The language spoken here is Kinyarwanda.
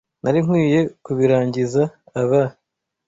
Nari nkwiye kubirangiza abah.